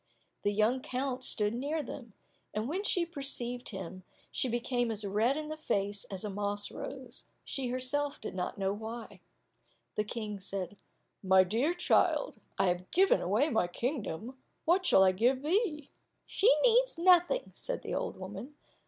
The young count stood near them, and when she perceived him she became as red in the face as a moss rose, she herself did not know why. The King said, "My dear child, I have given away my kingdom, what shall I give thee?" "She needs nothing," said the old woman.